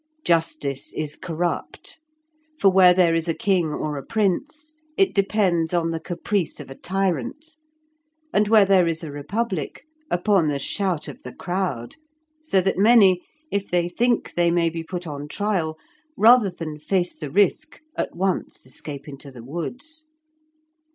Justice is corrupt, for where there is a king or a prince it depends on the caprice of a tyrant, and where there is a republic upon the shout of the crowd, so that many, if they think they may be put on trial, rather than face the risk at once escape into the woods.